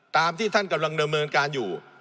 ตามที่ท่านกำลังดำเนินการอยู่